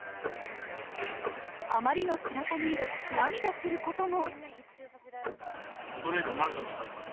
あまりのつらさに涙することも。